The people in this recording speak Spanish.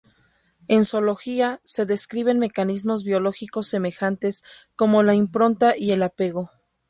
En zoología se describen mecanismos biológicos semejantes, como la impronta y el apego.